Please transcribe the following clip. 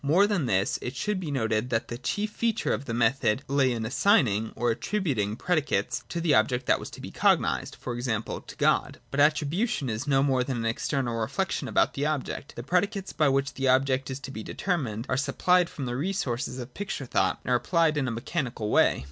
More than this, it should be noted that the chief feature of the method lay in ' assigning ' or ' attributing ' 1 predicates to the object that was to be cognised, for example, , to God. But attribution is no more than an external re flection about the object : the predicates by which the 64 FIRST ATTITUDE OF OBJECTIVITY. [28, 29. object is to be determined are supplied from the resources of picture thought, and are applied in a mechanical way.